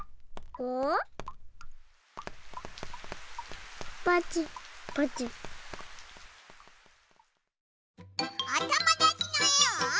おともだちのえを。